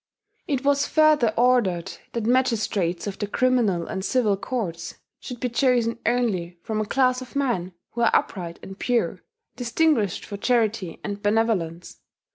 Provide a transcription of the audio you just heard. It was further ordered that magistrates of the criminal and civil courts should be chosen only from "a class of men who are upright and pure, distinguished for charity and benevolence."